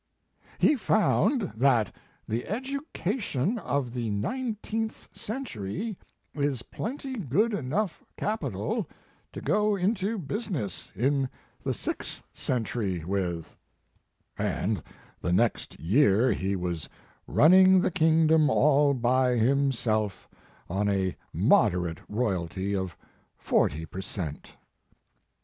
"He found that the education of the nineteenth century is plenty good enough capital to go into business in the sixth century with/ and the next year he was running the kingdom all by himself on a moderate royalty of forty per cent."